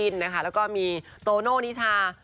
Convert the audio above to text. และมีโตโนวนิช่า